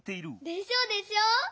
でしょでしょ！